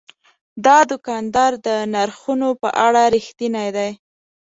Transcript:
دا دوکاندار د نرخونو په اړه رښتینی دی.